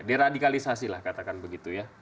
deradikalisasi lah katakan begitu ya